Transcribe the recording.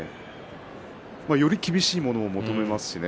より厳しいものを求めますしね。